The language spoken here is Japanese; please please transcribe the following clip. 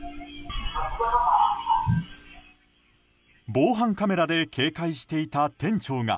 防犯カメラで警戒していた店長が